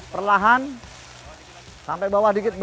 perlahan sampai bawah sedikit